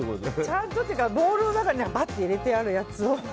ちゃんとっていうかボウルの中に入れてるやつを。